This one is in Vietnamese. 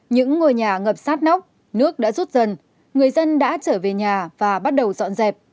những ngôi nhà ngập sát nóc nước đã rút dần người dân đã trở về nhà và bắt đầu dọn dẹp